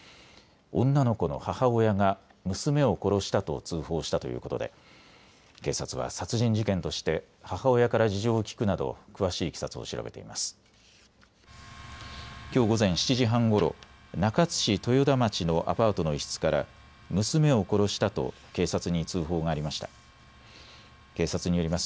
女の子の母親が娘を殺したと通報したということで警察は殺人事件として母親から事情を聴くなど詳しいいきさつを調べています。